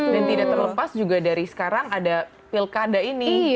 dan tidak terlepas juga dari sekarang ada pilkada ini